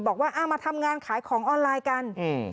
บอกว่าอ่ามาทำงานขายของออนไลน์กันอืม